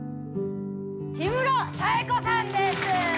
氷室冴子さんです！